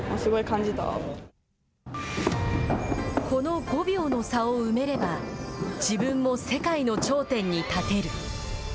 この５秒の差を埋めれば自分も世界の頂点に立てる。